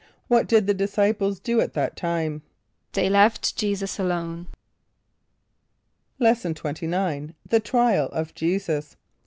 = What did the disciples do at that time? =They left J[=e]´[s+]us alone.= Lesson XXIX. The Trial of Jesus.